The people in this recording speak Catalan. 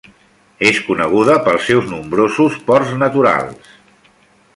És coneguda pels seus nombrosos ports naturals.